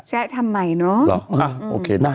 แสะทำไมเนอะ